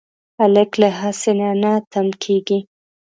هلک له هڅې نه نه تم کېږي.